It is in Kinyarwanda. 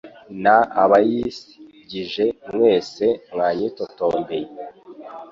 n abayis gije mwese mwanyitotombeye